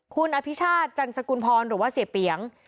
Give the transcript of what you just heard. คุณอภิชาติจันสกุลพรหรือว่าเสียเปียง